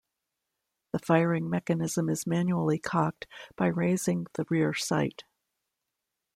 The firing mechanism is manually cocked by raising the rear sight.